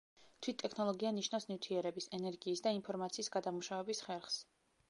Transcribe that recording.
თვით ტექნოლოგია ნიშნავს ნივთიერების, ენერგიის და ინფორმაციის გადამუშავების ხერხს.